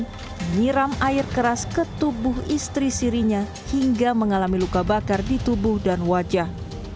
menyiram air keras ke tubuh istri sirinya hingga mengalami luka bakar di tubuh dan wajah